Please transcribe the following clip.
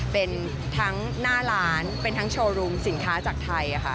เป็นทั้งหน้าร้านเป็นทั้งโชว์รูมสินค้าจากไทยค่ะ